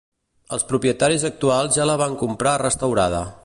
Els propietaris actuals ja la van comprar restaurada.